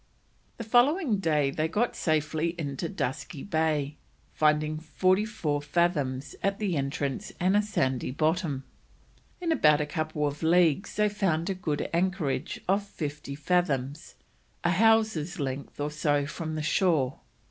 The following day they got safely into Dusky Bay, finding forty four fathoms at the entrance and a sandy bottom. In about a couple of leagues they found a good anchorage in fifty fathoms, a hawser's length or so from the shore.